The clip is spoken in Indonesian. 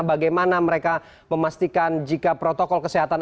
bagaimana mereka memastikan jika protokol kesehatan